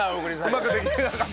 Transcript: うまくできなかったので。